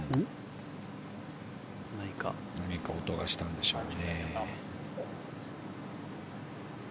何か音がしたんでしょうか。